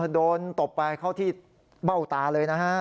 ตบไปเข้าที่เบ้าตาเลยนะฮะ